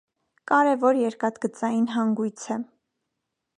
Կարևոր երկաթգծային հանգույց է։